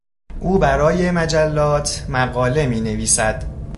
او برای مجلات مقاله مینویسد.